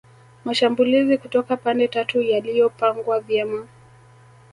Mashambulizi kutoka pande tatu yaliyopangwa vyema